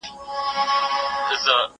و مسکين ته د کلا د سپو سلا يوه ده.